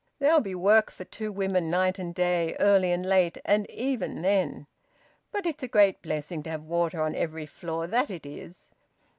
There'll be work for two women night and day, early and late, and even then But it's a great blessing to have water on every floor, that it is!